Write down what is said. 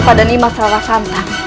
pada nimas rara santan